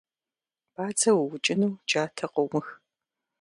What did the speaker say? Бадзэ уукӏыну джатэ къыумых.